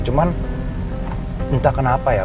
cuman entah kenapa ya